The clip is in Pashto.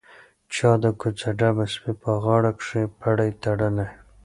چا د کوڅه ډبه سپي په غاړه کښې پړى تړلى.